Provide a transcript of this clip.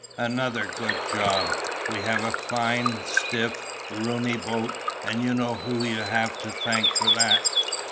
Another good job: we have a fine, stiff, roomy boat, and you know who you have to thank for that.